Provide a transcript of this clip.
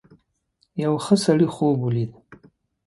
یو ښه سړي خوب ولید.